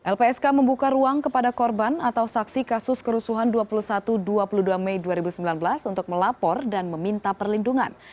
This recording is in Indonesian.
lpsk membuka ruang kepada korban atau saksi kasus kerusuhan dua puluh satu dua puluh dua mei dua ribu sembilan belas untuk melapor dan meminta perlindungan